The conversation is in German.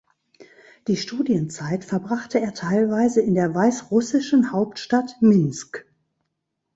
Die Studienzeit verbrachte er teilweise in der weißrussischen Hauptstadt Minsk.